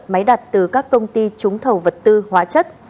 máy đặt từ các công ty trúng thầu vật tư hóa chất